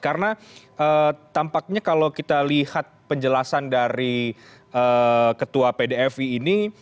karena tampaknya kalau kita lihat penjelasan dari ketua pdfi ini